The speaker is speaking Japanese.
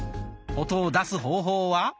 音を出す方法は。